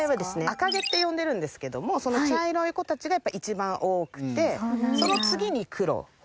赤毛って呼んでるんですけどもその茶色い子たちが一番多くてその次に黒。